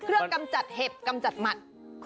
เรื่องกำจัดเห็บกำจัดหมัด